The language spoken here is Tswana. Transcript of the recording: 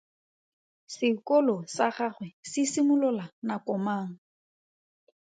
Sekolo sa gagwe se simolola nako mang?